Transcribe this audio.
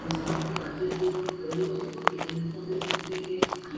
Tenía su sede en el biblioteca central.